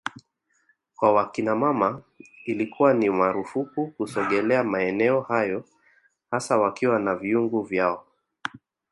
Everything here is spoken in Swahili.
kwa wakinamama ilikuwa ni marufuku kusogelea maeneo hayo hasa wakiwa na vyungu vyao